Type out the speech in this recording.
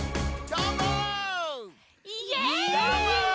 どーも！